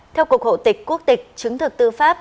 theo cục hộ tịch quốc tịch chứng thực tư pháp